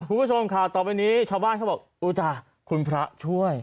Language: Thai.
คุณผู้ชมข่าวต่อไปนี้ชาวบ้านเขาบอกอุ๊จ้ะคุณพระช่วย